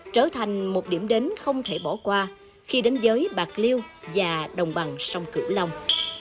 trở thành một điểm đến không thể bỏ qua khi đến giới bạc liêu và đồng bằng sông cửu long